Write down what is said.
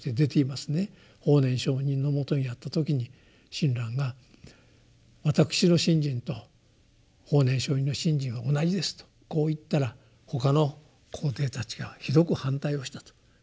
法然上人のもとにあった時に親鸞が「私の信心と法然上人の信心は同じです」とこう言ったら他の高弟たちがひどく反対をしたと。